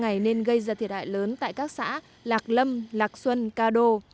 ngày nên gây ra thiệt hại lớn tại các xã lạc lâm lạc xuân ca đô